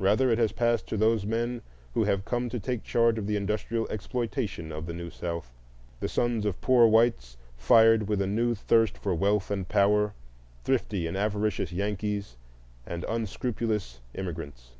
Rather it has passed to those men who have come to take charge of the industrial exploitation of the New South,—the sons of poor whites fired with a new thirst for wealth and power, thrifty and avaricious Yankees, and unscrupulous immigrants.